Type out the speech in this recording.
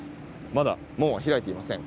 まだ門は開いていません。